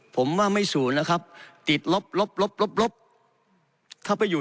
ผมว่าไม่ศูนย์แล้วครับติดลบลบลบลบลบถ้าไปอยู่